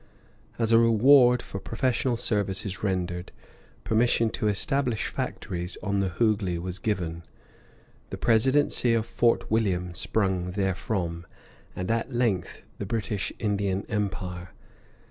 As a reward for professional services rendered, permission to establish factories on the Hooghly was given; the Presidency of Fort William sprung therefrom, and at length the British Indian Empire.